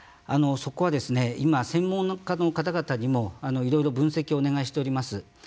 そこは今専門家の方々にもいろいろ分析をお願いしております。